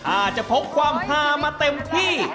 อาจจะพกความฮามาเต็มที่